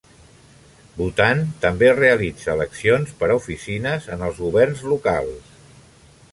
Bhutan també realitza eleccions per a oficines en els governs locals.